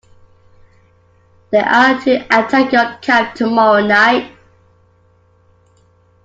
They are to attack your camp tomorrow night.